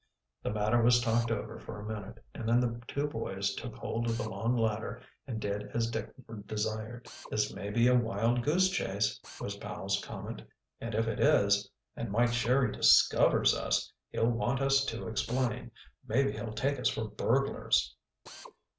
The matter was talked over for a minute, and then the two boys took hold of the long ladder and did as Dick desired. "This may be a wild goose chase," was Powell's comment. "And if it is, and Mike Sherry discovers us, he'll want us to explain. Maybe he'll take us for burglars."